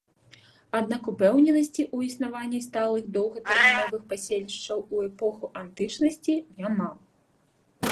Аднак упэўненасці ў існаванні сталых доўгатэрміновых паселішчаў у эпоху антычнасці няма.